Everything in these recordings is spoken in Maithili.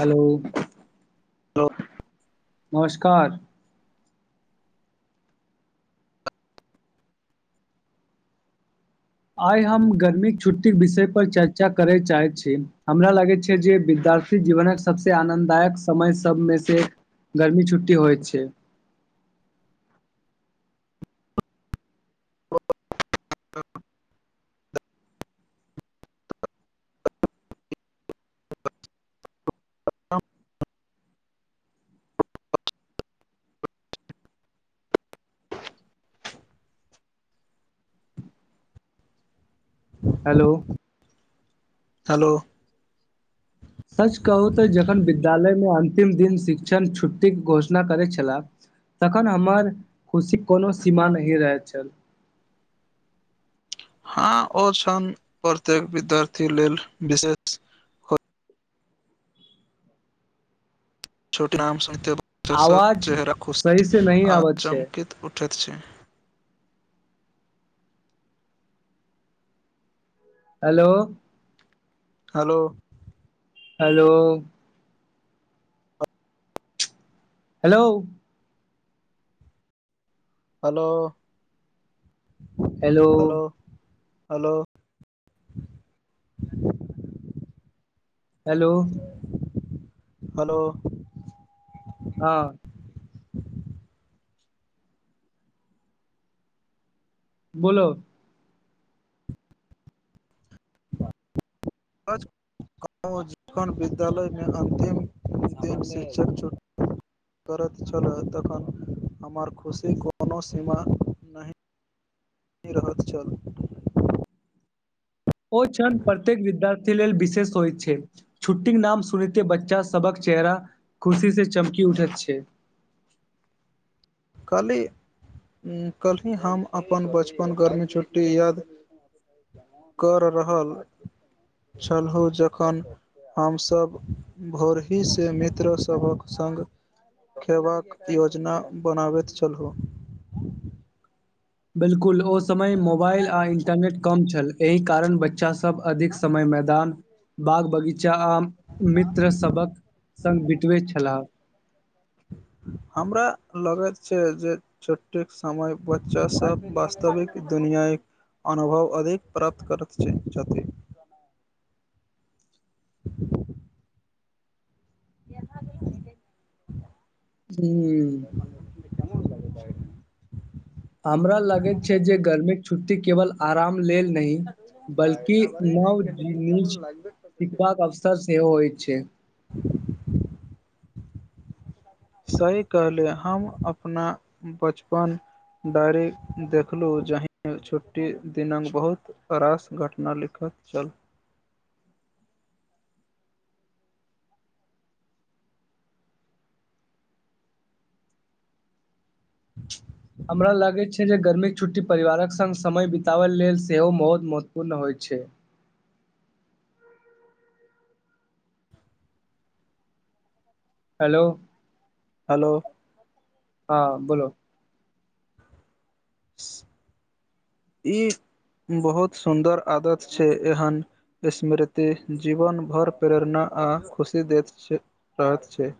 हेलो नमस्कार आइ हम गर्मी के छुट्टी के विषय पर चर्चा करे चाहे छी हमरा लागे छै जे विद्यार्थी जीवनक सबसे आनन्ददायक समय सबमे से गर्मी छुट्टी होइत छै [inaudible] हेलो हेलो सच कहू तऽ जखन विद्यालयमे अन्तिम दिन शिक्षण छुट्टी के घोषणा करै छलाह तखन हमर खुशी कोनो सीमा नहि रहैत छल हँ ओ छन प्रत्येक विद्यार्थी लेल विशेष छोट नाम सूनते बच्चो सब आवाज चेहरा सही खुशी से नहि आ आबत छै चमकैत उठै छै hello hello hello hello hello hello hello hello hello hello हँ बोलो [inaudible] आओ [unintelligible] [unintelligible] विद्यालयमे अन्तिम दिन शिक्षक छूट करत छलह तखन हमर खुशी कोनो सीमा नहि रहत छल ओ क्षण प्रत्येक विद्यार्थी लेल विशेष होइ छै छुट्टी नाम सुनेते बच्चा सबहक चेहरा खुशी से चमकी उठैत छै कल्ली कलहि हम अपन बचपन गर्मी छुट्टी याद कर रहल छलहु जखन हम सब भोरहिसे मित्र सबहक संग खेबाक योजना बनाबैत छलहो बिल्कुल ओ समय मोबाइल आ इंटरनेट कम छल एहि कारण बच्च- बच्चा सब अधिक समय मैदान बाग बगी चा आम मित्र सबक संग बीतबैत छलाह हमरा लगैत छै जे छुट्टिक समय बच्चा सब वास्तविक दुनियाईक अनुभव अधिक प्राप्त करत छैथ छथि [inaudible] [unintelligible] हूँ कमोन [unintelligible] हमरा लगैत छै जे गर्मीक छुट्टी केवल आराम लेल नही बल्कि नव जीवनी छी सिखबाक अवसर सेहो होय छै सही कहले हम अपना बचपन डायरी देखलु जांही छुट्टी दिनक बहुत आओर आस घटना लिखत छल हमरा लगैत छै जे गर्मीक छुट्टी परिवारक संग समय बिताबय लेल सेहो महुत महत्वपूर्ण होइत छै हेलो हेलो हँ बोलो ई बहुत सुन्दर आदत छै एहन स्मृति जीवन भर प्रेरणा आ खुशी दैत छै रहत छै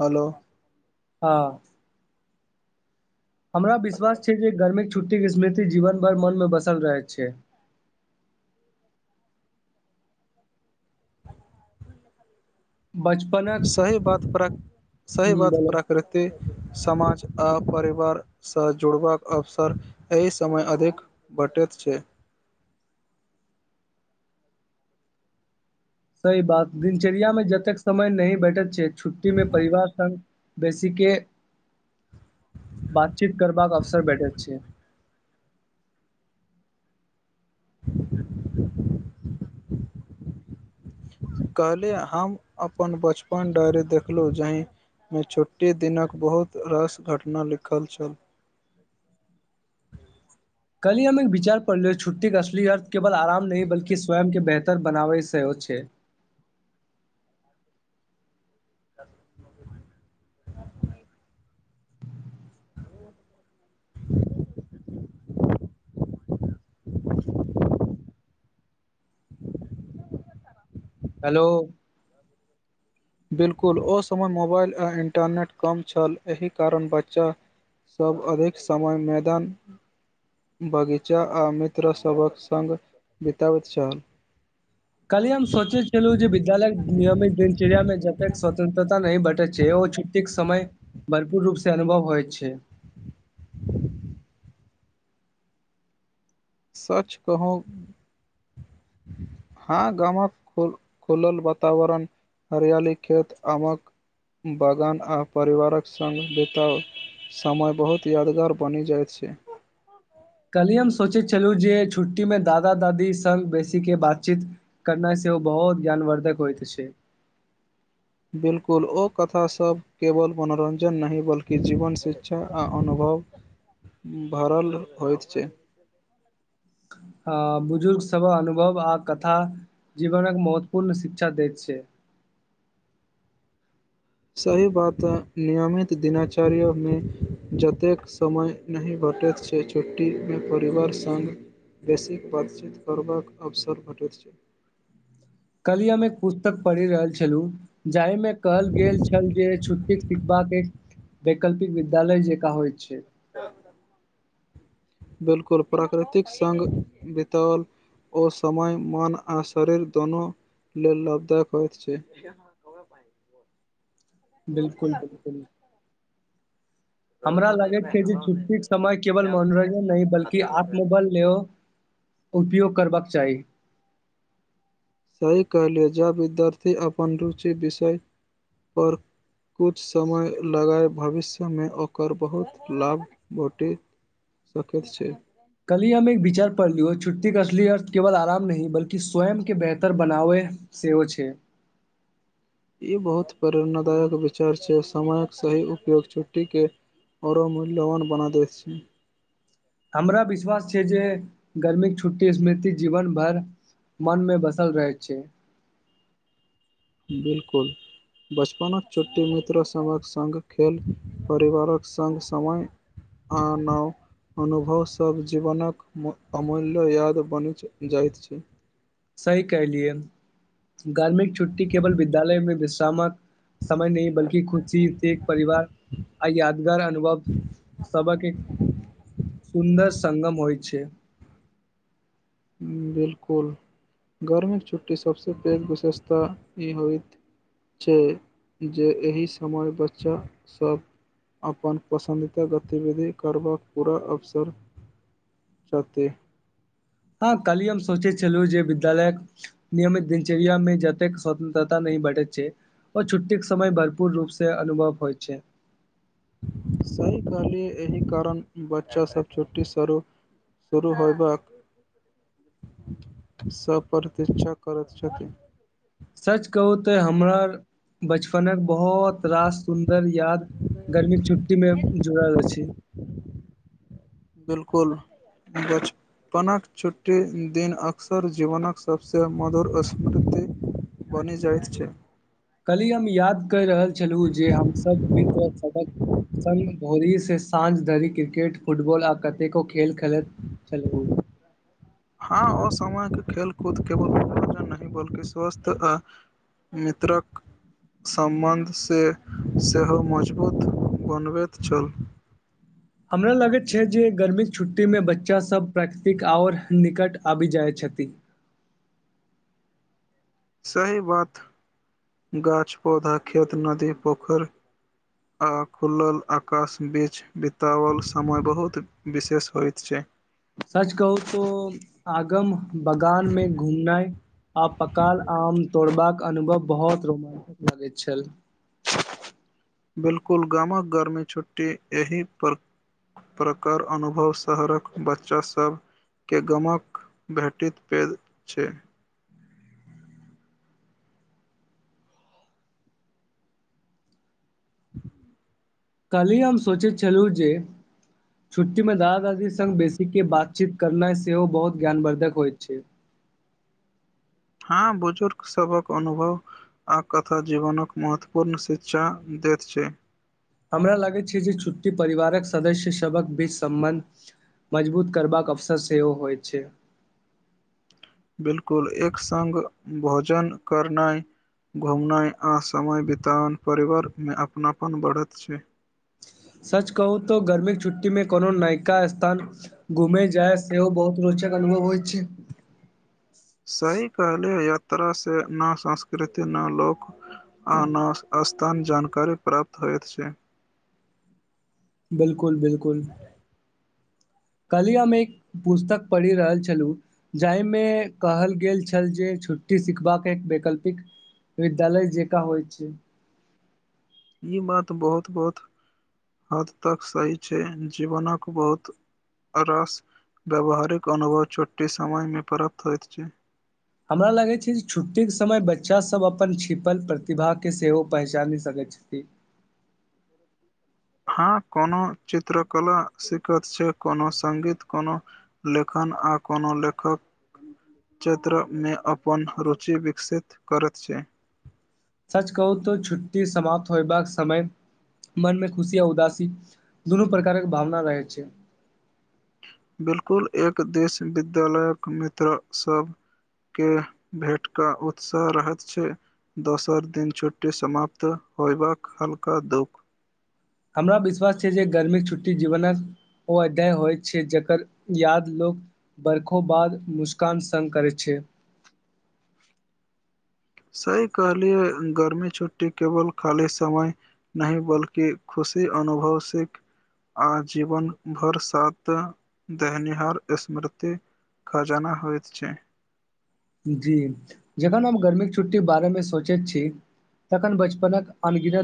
हलो हँ हमरा विश्वास छै जे गर्मीक छुट्टीक स्मृति जीवन भर मन मे बसल रहैत छै बच सही बात प्रा सही ह बात बोलो प्रकृति समाज आ परिवार सह जुड़बाक अवसर एहि समय अधिक भेटैत छै सही बात दिनचर्यामे जतेक समय नहि भेटैत छै छुट्टी मे परिवार संग बेसी केँ बातचीत करबाक अवसर भेटैत छै [inaudible] कहलि हम अपन बचपन डायरी देखलहुँ जही मे छुट्टी दिनक बहुत रस घटना लिखल छल [inaudible] कल्हि हम एक विचार पढ़लू छुट्टीे असली अर्थ केवल आराम नहि बल्की स्वयं केँ बेह तर बनाबै सेहो छै [inaudible] हेलो बिल्कुल ओ समय मोबाइल आ इन्टरनेट कम छल एहि कारण बच्चा सभ अधिक समय मैदान बगीचा आ मित्र सभक संग बितबैत छल कल्हि हम सोचे छलु जे विद्यालय नियमित दिनचर्या मे जतेक स्वतंत्रता नहि भेटैत छै ओ छु टीक समय भरपूर रूपसँ अनुभव होइ छै सच कहू हँ गामक खुलल वातावरण हरियाली खेत आमक बगान आ परिवारक संग बिताउ समय बहुत यादगार बनि जाइत छै कल्हि हम सोचैत छलहुँ जे छुट्टीमे दादा दादी संग बेसी केँ बातचीत करनाय सेहो बहुत ज्ञानवर्धक होइत छै बिलकुल ओ कथासभ केवल मनोरंजन नहि बल्कि जीवन शिक्षा आ अनुभव भरल होइत छै [inaudible] हँ बुजुर्ग सभ अनुभव आ कथा जीवन महत्वपूर्ण शिक्षा दैत छै सही बात नियमित दनाचर्यमे जतेक समय नहि भेटैत छै छुट्टीमे परिवार संग बेसी बातचीत करबाक अवसर भेटैत छै कल्हि हम एक पुस्तक पढ़ि रहल छलहुँ जाहिमे कहल गेल छल जे छुट्टीक सिखबाक एक वैकल्पिक विद्यालय जेका होइत छै बिलकुल प्राकृतिक सघ बतौल ओ समय मन आ शरीर दुनू लेल लाभदायक होइत छै बिलकुल - बिलकुल हमरा लागैत छै जे छुट्टीकेँ समय केवल मनोरंजन नहि बल्कि आत्मोबल लेयो उपयोग करबाक चाही सही कहलियौ ज विद्यार्थी अपन रुचि विषयपर कुछ समय लगाय भविष्यमे ओकर बहुत लाभ भोटे सकैत छै कल्हि हम एक विचार पढ़ लियौ छुट्टीे असलियत केवल आराम नहि बल्कि स्वयं के बेहतर बनावै से हो छै ई बहुत प्रेरणादायक विचार छै समयक सही उपयोग छुट्टीके आओरो मूल्यवान बना दै छै हमरा विश्वास छै जे गर्मीके छुट्टी स्मृति जीवन भर मन मे बसल रहैत छै बिल्कुल बचपनक छुट्टी मित्र सबक संग खेल परिवारक संग समय आ नाओ अनुभव सब जीवनक अमूल्य याद बनि जाइत छै सही कलियए गार्मिक छुट्टी केवल विद्यालय मे विश्रामक समय नहि बल्की खुद सी एक परिवार आ यादगार अनुभव सबक एक सुन्दर संगम होइ छै बिल्कुल गर्मक छुट्टी सबसँ पैघ विशेषता ई होइत छै जे एहि समय बच्चासब अपन पसन्द ते गतिविधि करबक पूरा अवसर छति हँ काल्हि हम सोचै छलुँ जे विद्यालायक नियमित दिनचर्या मे जतेके स्वतंत्रता नहि बटैत छै ओ छुट्टीके समय भरपूर रूप से अनुभव होइ छै सही कहलियै एहि कारण बच्चासब छुट्टी स्वरूप शुरू होय बाक सब परतिकछा करैत छथिन सच कहू तेऽ हमर बचपनक बहुत रास सुंन्दर याद गर्मी छुट्टी मे जुड़ल अछि बिल्कुल बच कनक छुट्टी दिन अक्सर जीवनक सबसे मधुर स्मृति बनि जयत छै कल्हि हम याद कै रहल छलहुँ जे हमसब मित्र सबक सभी भोरी से साँझ धरि क्रिकेट फुटबॉल आ कतेको खेल खेलेत छल उ हँ असामयिक खेल कूद केवल मनोरंजन नहि बल्कि स्वासथ नाहि आ मित्र कऽ सम्बन्ध से सेहो मजबूत बनबैत छल हमरा लगैत छै जे गर्मी छुट्टीमे बच्चासब प्राकृतिक आओर निकट आबि जाइत छथि सही बात गाछ पौधा खेत नदी पोखर आ खुलल आकाश बीच बिताओल समय बहुत विशेष होइत छै सच कहू तो आगम बगानमे घूमनाइ आ पकाल आम तोड़बाक अनुभव बहुत रोमान्सिक लगैत छेल बिलकुल गामा घरमे छुट्टी एहि पर प्रकर अनुभव शहरक बच्चासभ के गमक भेटत पैल छै कालि हम सोचैत छलहु जे छुट्टी मे दास सभी संग बेबैठ के बातचीत करनाइ सेहो बहुत ज्ञानवर्द्धक होइत छैय‌ हँ बुजुर्ग सबक अनुभव आ कथा जीवनक महत्वपूर्ण शिक्षा दैत छै हमरा लगैत छै जे छुट्टी परिवारक सदस्य सभक बीच सम्बन्ध मजबूत करबाक अवसर सेहो होइत छै-य बिलकुल एक संग भोजन करनाइ घुमनाइ आ समय बितैनाहि परिवारमे अपनापन बढ़ैत छै-य‌ सच कहू तो गर्मीके छुट्टीमे कोनो नायका स्थान घुमजायब सेहो बहुत रोचक अनुभव होइ छैय सही काहलै यात्रा से न संस्कृतिक लोक आना अस्त्र। तह न जानकारी प्राप्त होइत छै-य- बिल्कुल बिलकुल कालि ह हम एक पुस्तक पढ़ि रहल छलहुँ जाहिमे कहल गेल छल जे छुट्टी बितयबाख सिखबाक एक वैकल्पिक विद्यालय जेका होइ छै ई बात बहुत बहुत हद तक सही छै जीवनक बहुत अरास व्यावहारिक अनुभव छोट्टी समयमे प्राप्त होइत छै हमरा लगे छै जे छुट्टी के समय बच्चा सब अपन छीिपल प्रतिभा के सेहो पहचानी सकैत छै ी [unintelligible] हँ कोनो चित्रकला सिकखैत छै कोनो संगीत कोनो लेखन आ कोनो लेखक क्षेत्र मे अपन रुचि विकसित करैत छै सच कहू तऽ छुट्टी समाप्त होयबाक समय मनमे खुशी आ उदासी दुनू प्रकारक भावना रहैत छै बिलकुल एक देश विद्यालयक मित्र सब के भेट कऽ उत्साह रहैत छै दोसर दिन छुट्टी समाप्त होयबाक हल्का दुख हमरा विश्वास छै जे गर्मीके छुट्टी जीवनक ओ एदय होइ छै जकर याद लोक बर्खो बाद मुस्कान सङ् करैत छै सही कहलिय गर्मी छुट्टी केवल खाली समय नहि बल्कि खुशी अनुभव से आजीवन भर साथ दहनिहार स्मृति खजाना होइत छैय जी जखन हम गर्मीके छुट्टीके बारेमे सोचैत छी तखन बचपनक अनगिनत